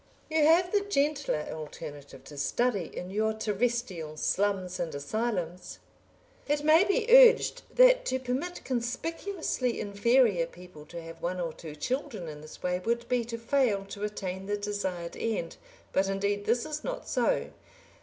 You have the gentler alternative to study in your terrestrial slums and asylums. It may be urged that to permit conspicuously inferior people to have one or two children in this way would be to fail to attain the desired end, but, indeed, this is not so.